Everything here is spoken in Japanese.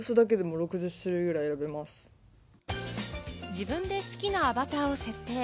自分で好きなアバターを設定。